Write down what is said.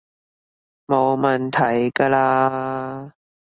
冇問題㗎喇